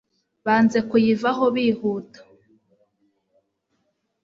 banze kuyivaho bihuta